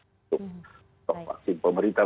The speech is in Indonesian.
untuk stok vaksin pemerintah